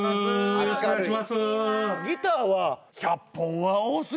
よろしくお願いします。